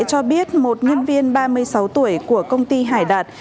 cho biết một nhân viên ba mươi sáu tuổi của công ty hải đạt